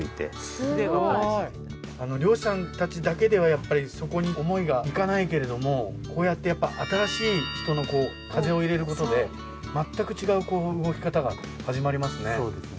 すごい！漁師さんたちだけではそこに思いがいかないけれどもこうやって新しい人の風を入れることで全く違う動き方が始まりますね。